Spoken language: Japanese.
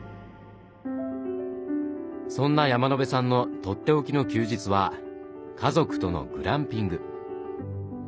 そんな山野辺さんのとっておきの休日は家族とのグランピング。